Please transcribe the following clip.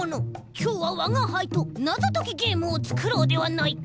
きょうはわがはいとなぞときゲームをつくろうではないか。